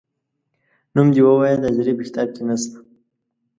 نوم دي ووایه د حاضرۍ په کتاب کې نه سته ،